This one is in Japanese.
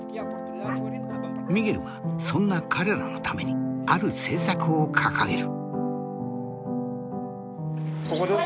ミゲルはそんな彼らのためにある政策を掲げる。